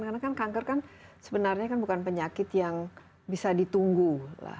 karena kan kanker kan sebenarnya bukan penyakit yang bisa ditunggu lah